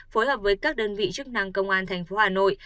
phối hợp với các đơn vị chức năng công an thành phố hà nội